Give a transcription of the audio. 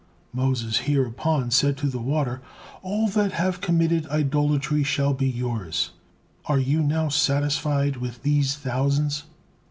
Moses hereupon said to the water" "All that have committed idolatry shall be yours. Are you now satisfied with these thousands?"